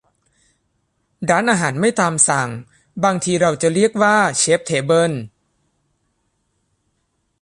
ร้านอาหารไม่ตามสั่ง บางทีเราจะเรียกว่าเชพเทเบิล